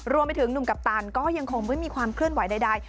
รวมไปถึงหนุ่มกัปตันก็ยังคงไม่มีความเคลื่อนไหวใด